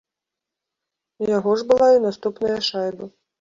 Яго ж была і наступная шайба.